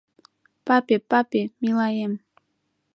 Папе, папе, милаем